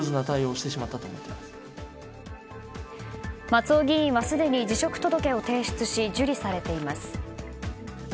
松尾議員はすでに辞職届を提出し受理されています。